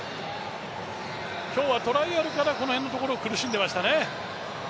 今日はトライアルから、この辺のところ苦しんでましたね。